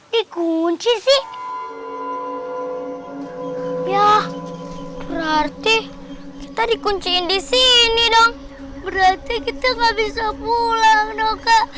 dikunci sih ya berarti tadi kuncin disini dong berarti kita nggak bisa pulang dong kak